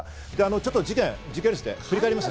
ちょっと事件を時系列で振り返ります。